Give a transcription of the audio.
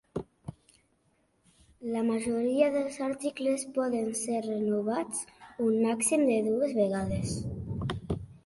La majoria dels articles poden ser renovats un màxim de dues vegades.